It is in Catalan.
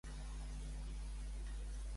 Em podries ensenyar el telèfon mòbil de ma mare?